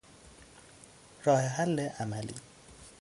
راهحل عملی